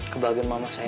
kebahagiaan mama saya